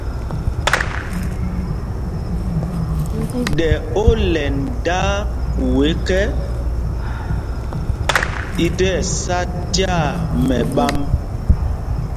Ɗɛ olɛnd daa kuu ekɛ́, i tí ɛsá tyaa mɛɓám.